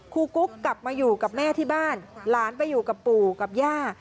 กุ๊กกลับมาอยู่กับแม่ที่บ้านหลานไปอยู่กับปู่กับย่า